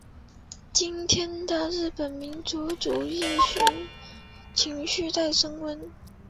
今天的日本民族主义情绪在升温。